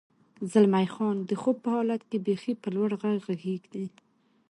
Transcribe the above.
زلمی خان: د خوب په حالت کې بېخي په لوړ غږ غږېدې.